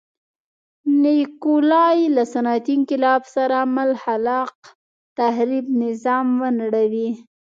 نیکولای له صنعتي انقلاب سره مل خلاق تخریب نظام ونړوي.